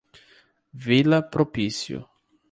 Vila Propício